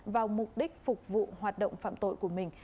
vào mục đích phục vụ hoạt động phạm tội của mình